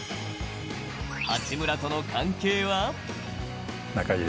八村との関係は。